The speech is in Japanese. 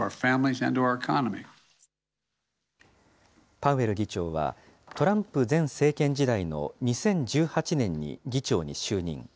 パウエル議長は、トランプ前政権時代の２０１８年に議長に就任。